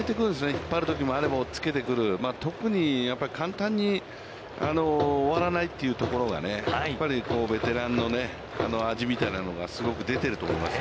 引っ張るときもあれば追っつけてくる、特に簡単に終わらないというところがやっぱりベテランの味みたいなのが、すごく出てると思います。